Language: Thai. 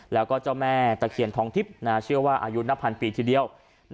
แล้วก็เจ้าแม่ตะเคียนทองทิพย์เชื่อว่าอายุนับพันปีทีเดียว